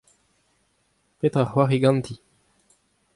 Petra a c'hoari ganti ?